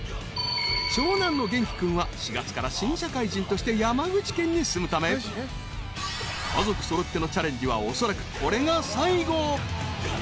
［長男の元輝君は４月から新社会人として山口県に住むため家族揃ってのチャレンジはおそらくこれが最後］